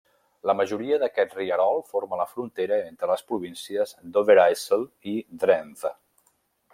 La majoria d'aquest rierol forma la frontera entre les províncies d'Overijssel i Drenthe.